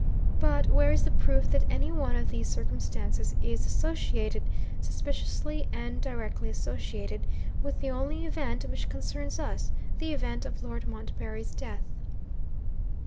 But where is the proof that any one of these circumstances is associated suspiciously and directly associated with the only event which concerns us, the event of Lord Montbarry's death?